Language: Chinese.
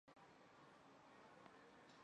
早上十点半开始